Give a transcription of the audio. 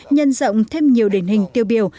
nhân rộng thêm nhiều điển hình tiêu biểu